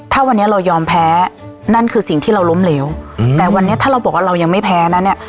ถ้าวันนี้เรายอมแพ้นั่นคือสิ่งที่เราล้มเหลวแต่วันนี้ถ้าเราบอกว่าเรายังไม่แพ้นะเนี่ย